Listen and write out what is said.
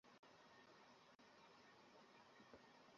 আমিই কি একমাত্র মানুষ যে এসবে বিপদ দেখতে পাচ্ছি?